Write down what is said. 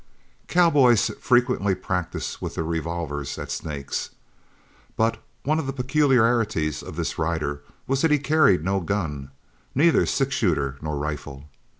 Cowboys frequently practise with their revolvers at snakes, but one of the peculiarities of this rider was that he carried no gun, neither six shooter nor rifle.